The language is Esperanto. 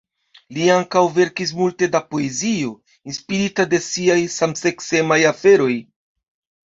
Li ankaŭ verkis multe da poezio inspirita de siaj samseksemaj aferoj.